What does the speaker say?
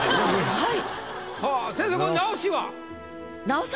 はい。